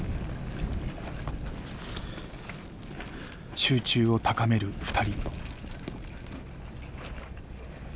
集中を高める２人。